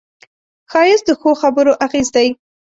ښایست د ښو خبرو اغېز دی